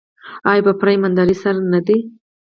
آیا په پوره ایمانداري سره نه دی؟